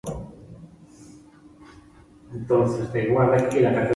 Fue la hija del Teniente y Mariscal Weber.